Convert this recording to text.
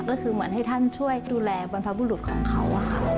ก็คือเหมือนให้ท่านช่วยดูแลบรรพบุรุษของเขา